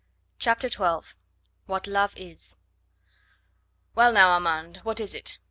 CHAPTER XII. WHAT LOVE IS "Well, now, Armand, what is it?"